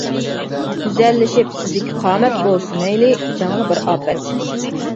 گۈزەللىشىپ سىزدىكى قامەت بولسا مەيلى جانغا بىر ئاپەت.